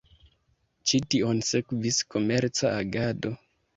Ĉi tion sekvis komerca agado.